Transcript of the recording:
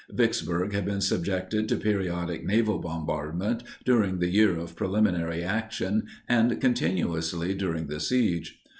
Vicksburg had been subjected to periodic naval bombardment during the year of preliminary action and continuously during the siege.